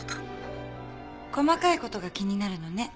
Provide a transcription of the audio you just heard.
細かいことが気になるのね。